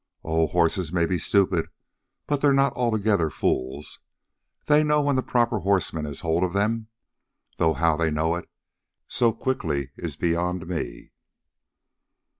Oh, horses may be stupid, but they're not altogether fools. They know when the proper horseman has hold of them, though how they know it so quickly is beyond me."